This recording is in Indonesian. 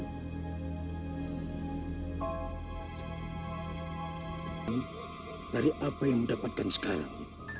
apa yang saya dapatkan dari apa yang saya dapatkan sekarang